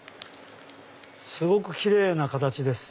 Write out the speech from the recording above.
すごくキレイな形です。